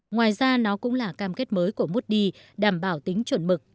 ngoài ra nó cũng là cam kết mới của moody đảm bảo tính chuẩn mực